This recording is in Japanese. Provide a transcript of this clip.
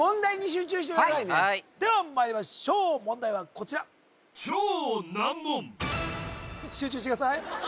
・はいではまいりましょう問題はこちら集中してください